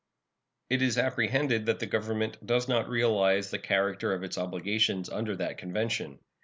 It is apprehended that that Government does not realize the character of its obligations under that convention.